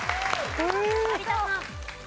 有田さん。